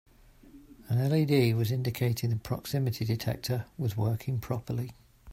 An LED was indicating the proximity detector was working properly.